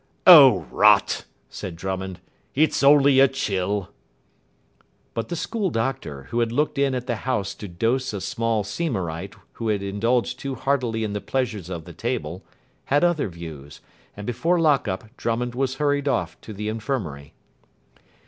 "Oh, rot," said Drummond. "It's only a chill." But the school doctor, who had looked in at the house to dose a small Seymourite who had indulged too heartily in the pleasures of the table, had other views, and before lock up Drummond was hurried off to the infirmary.